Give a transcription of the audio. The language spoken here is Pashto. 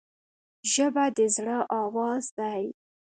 ژبه د زړه آواز دی